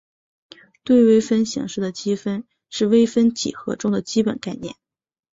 对微分形式的积分是微分几何中的基本概念。